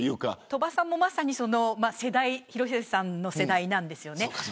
鳥羽さんもまさに広末さんの世代なんです。